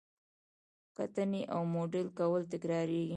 کتنې او موډل کول تکراریږي.